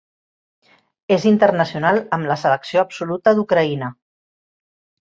És internacional amb la selecció absoluta d'Ucraïna.